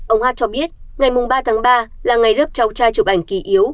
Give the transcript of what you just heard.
ông h h cho biết ngày mùng ba tháng ba là ngày lớp cháu trai chụp ảnh kỳ yếu